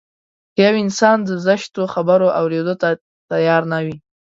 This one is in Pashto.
که يو انسان د زشتو خبرو اورېدو ته تيار نه وي.